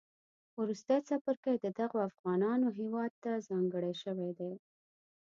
وروستی څپرکی د دغو افغانانو هیواد تهځانګړی شوی دی